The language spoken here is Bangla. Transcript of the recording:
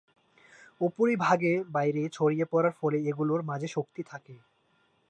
উপরিভাগে বাইরে ছড়িয়ে পড়ার ফলে এগুলোর মাঝে শক্তি থাকে।